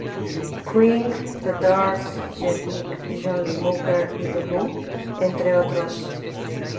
King, The Doors, Jeff Beck, John Lee Hooker y The Who, entre otros.